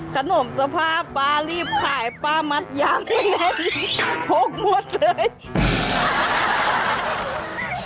สนมสภาพป้ารีบขายป้ามัดย้ำไว้ในหกหมวดเลย